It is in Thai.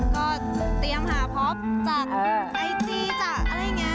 ก็เตรียมหาพ็อปจากไอจีจากอะไรอย่างนี้